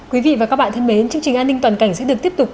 quý vị và các bạn thân mến chương trình an ninh toàn cảnh sẽ được tiếp tục